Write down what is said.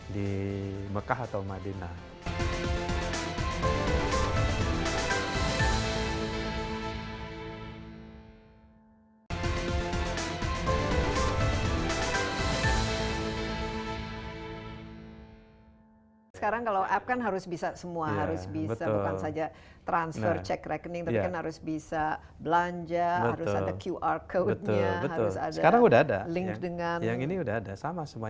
tidak ada tidak ada